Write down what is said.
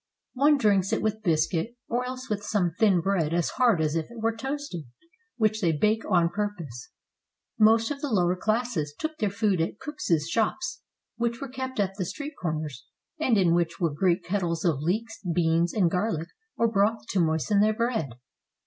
One drinks it with biscuit, or else with some thin bread as hard as if it were toasted, which they bake on pur pose." Most of the lower classes took their food at cooks' shops, which were kept at the street corners, and in which were great kettles of leeks, beans, and garlic, or broth to moisten their bread.